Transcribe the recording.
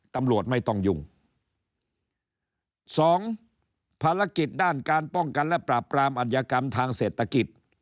ตำรวจไม่ต้องยุ่งสองภารกิจด้านการป้องกันและปราบปรามอัธยกรรมทางเศรษฐกิจ